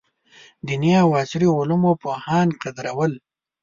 دیني او عصري علومو پوهان قدرول.